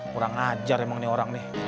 kurang ajar emang nih orang nih